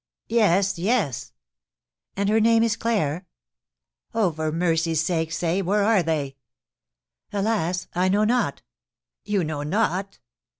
"Yes, yes." "And her name is Claire?" "Oh, for mercy's sake, say, where are they?" "Alas! I know not." "You know not?"